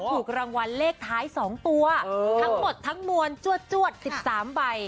ถูกรางวัลเลขท้าย๒ตัวทั้งหมดทั้งมวลจวด๑๓ใบ